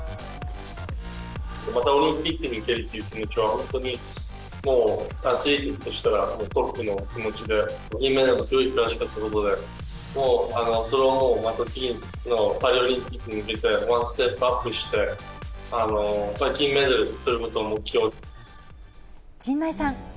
またオリンピックに行けるっていう気持ちは、本当にもうアスリートとしたら、トップの気持ちで、銀メダルがすごい悔しかったので、もうそれはもう、パリオリンピックに向けてワンステップアップして、金メダルとる陣内さん。